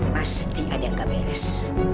pasti ada yang gak beres